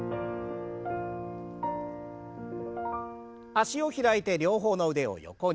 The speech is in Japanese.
脚を開いて両方の腕を横に。